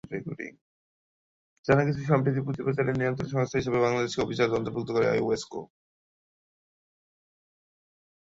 জানা গেছে, সম্প্রতি পুঁজিবাজার নিয়ন্ত্রক সংস্থা হিসেবে বাংলাদেশকে অভিজাত শ্রেণীভুক্ত করে আইওসকো।